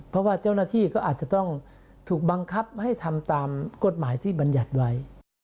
เพราะว่าเจ้าหน้าที่ก็อาจจะต้องถูกบังคับให้ทำตามกฎหมายที่บรรยัติไว้